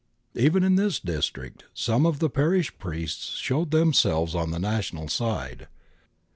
Even in this district some of the parish priests showed themselves on the national side."